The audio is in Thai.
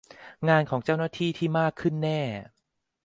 งานของเจ้าหน้าที่มากขึ้นแน่